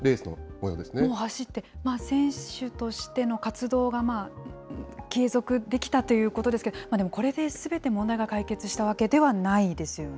もう走って、選手としての活動がまあ、継続できたということですけれども、これですべて問題が解決したわけないですよね？